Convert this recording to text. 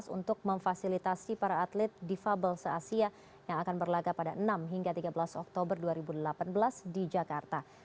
untuk memfasilitasi para atlet difabel se asia yang akan berlaga pada enam hingga tiga belas oktober dua ribu delapan belas di jakarta